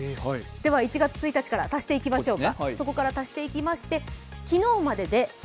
１月１日から足していきましょうか。